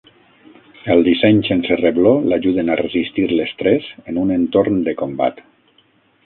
El disseny sense rebló l'ajuden a resistir l'estrès en un entorn de combat.